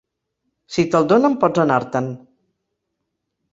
Si te'l donen pots anar-te'n.